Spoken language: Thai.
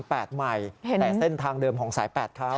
แต่เส้นทางเดิมของสาย๘เขา